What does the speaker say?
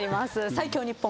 最強日本